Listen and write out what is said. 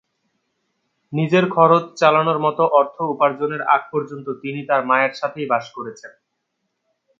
নিজের খরচ চালানোর মতো অর্থ উপার্জনের আগ পর্যন্ত তিনি তার মায়ের সাথেই বাস করেছেন।